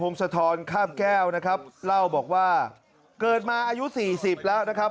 โรงสะท้อนข้ามแก้วนะครับเล่าบอกว่าเกิดมาอายุ๔๐แล้วนะครับ